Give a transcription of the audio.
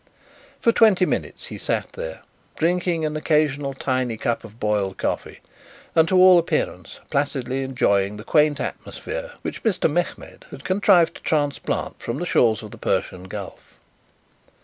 For twenty minutes he sat there, drinking an occasional tiny cup of boiled coffee and to all appearance placidly enjoying the quaint atmosphere which Mr. Mehmed had contrived to transplant from the shores of the Persian Gulf.